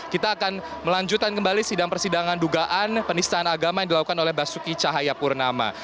kita akan melanjutkan kembali sidang persidangan dugaan penistaan agama yang dilakukan oleh basuki cahayapurnama